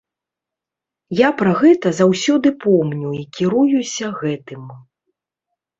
Я пра гэта заўсёды помню і кіруюся гэтым.